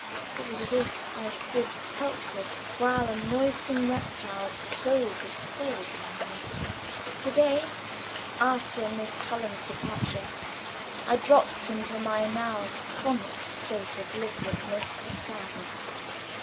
It was as if I stood helpless while a noisome reptile coiled its folds around me. To day, after Miss Hallam's departure, I dropped into my now chronic state of listlessness and sadness.